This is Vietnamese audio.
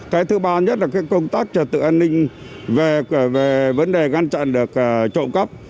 cái thứ ba nhất là công tác trật tự an ninh về vấn đề ngăn chặn được trộm cắp